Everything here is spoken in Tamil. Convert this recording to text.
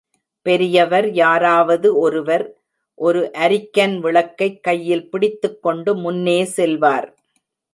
பெரியவர் யாராவது ஒருவர், ஒரு அரிக்கன் விளக்கைக் கையில் பிடித்துக் கொண்டு முன்னே செல்வார்.